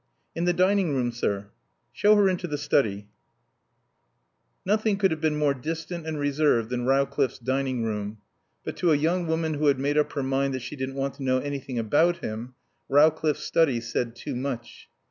"In the dining room, sir." "Show her into the study." Nothing could have been more distant and reserved than Rowcliffe's dining room. But, to a young woman who had made up her mind that she didn't want to know anything about him, Rowcliffe's study said too much.